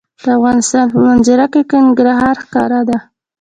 د افغانستان په منظره کې ننګرهار ښکاره ده.